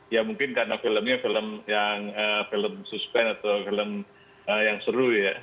ya mungkin karena filmnya film yang film suspend atau film yang seru ya